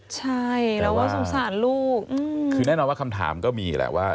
ใช่เราก็สงสารลูกคือแน่นอนว่าคำถามก็มีแหละว่า